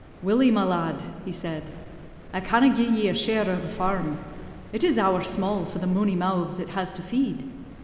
"'Willie, my lad,' he said, 'I canna' gi'e ye a share o' the farm. It is ower sma' for the mony mouths it has to feed.